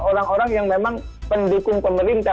orang orang yang memang pendukung pemerintah